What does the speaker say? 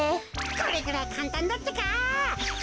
これぐらいかんたんだってか。